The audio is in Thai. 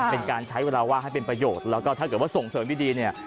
เป็นการใช้เวลาว่างให้เป็นประโยชน์แล้วก็ถ้าเกิดว่าส่งเสริมดีเนี่ย